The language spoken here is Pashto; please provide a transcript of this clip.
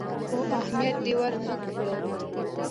خو اهميت دې ورنه کړ.